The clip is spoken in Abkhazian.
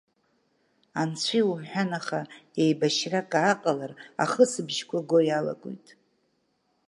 Анцәа иумҳәан, аха еибашьрак ааҟалар, ахысбыжьқәа го иалагоит.